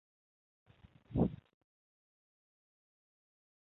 中东同性恋的证据至少可以追溯到古埃及和美索不达米亚时代。